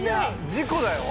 事故だよ。